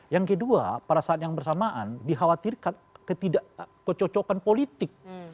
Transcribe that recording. yang kedua pada saat yang bersamaan dikhawatirkan ketidakcocokan politik